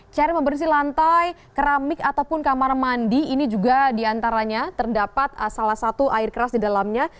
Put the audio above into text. cara membersih lantai keramik ataupun kamar mandi ini juga diantaranya terdapat salah satu air keras di dalamnya